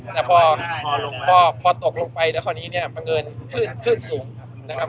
แต่พอพอตกลงไปแล้วคราวนี้เนี่ยบังเอิญคลื่นสูงนะครับ